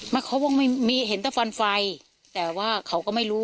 เขาบอกไม่มีเห็นแต่ฟันไฟแต่ว่าเขาก็ไม่รู้